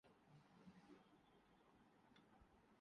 انہیں شاید اندازہ نہیں یہ نواز شریف کا میدان ہے۔